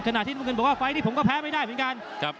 ขณะที่มึงกันบอกว่าไฟต์นี้ผมก็แพ้ไม่ได้เหมือนกัน